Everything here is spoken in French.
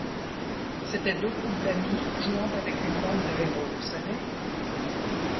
C'était deux groupes d'amis jouant avec une bande de héros, vous savez?